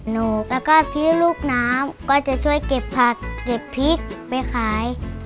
หนูแล้วก็พี่ลูกน้ำก็จะช่วยเก็บผักเก็บพริกไปขาย